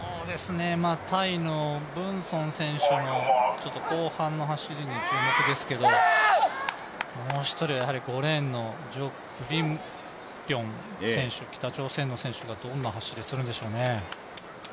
タイのブーンソン選手の後半の走りに期待ですけどもう１人は５レーンのジョ・クムリョン選手、北朝鮮の選手がどんな走りするんでしょうね。